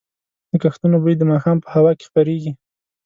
د کښتونو بوی د ماښام په هوا کې خپرېږي.